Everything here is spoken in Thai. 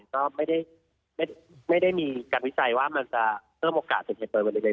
ก็ไม่ได้มีการวิจัยว่ามันจะเพิ่มโอกาสเป็นเหตุเปิดบริเวณ